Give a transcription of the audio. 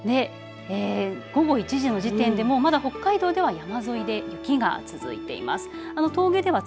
午後１時の時点でもまた北海道では山沿いで雪が続いています。